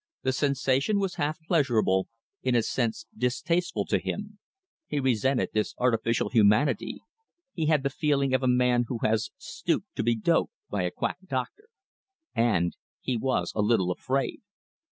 The sensation was half pleasurable, in a sense distasteful to him. He resented this artificial humanity. He had the feeling of a man who has stooped to be doped by a quack doctor. And he was a little afraid.